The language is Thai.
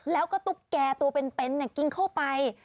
แล้วก็ตุ๊กแก่ตัวเป็นกินเข้าไป